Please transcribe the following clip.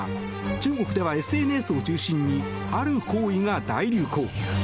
中国では、ＳＮＳを中心にある行為が大流行。